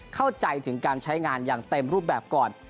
เข้าใจถึงการใช้งานอย่างเต็มรูปแบบก่อน